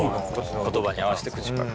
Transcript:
言葉に合わせて口パク。